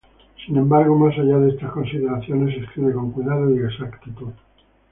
Sin embargo, más allá de estas consideraciones, escribe con cuidado y exactitud.